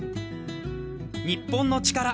『日本のチカラ』